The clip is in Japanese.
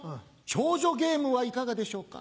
長女ゲームはいかがでしょうか？